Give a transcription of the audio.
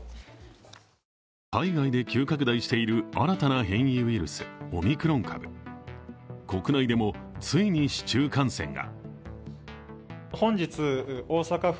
海外で急拡大している新たな変異ウイルス、オミクロン株国内でもついに市中感染が。